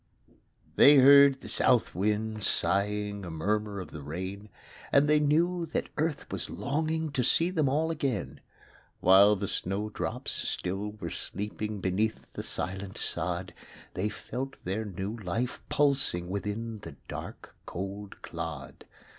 They heard the South wind sighing A murmur of the rain; And they knew that Earth was longing To see them all again. While the snow drops still were sleeping Beneath the silent sod; They felt their new life pulsing Within the dark, cold clod.